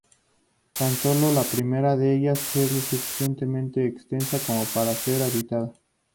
Tan solo la primera de ellas es lo suficientemente extensa como para ser habitada.